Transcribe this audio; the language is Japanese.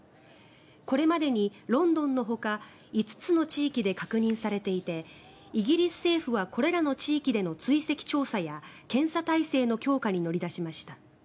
これまでにロンドンのほか５つの地域で確認されていて、イギリス政府はこれらの地域での追跡調査や検査体制の強化に乗り出しました。